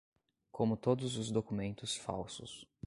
como todos os documentos falsos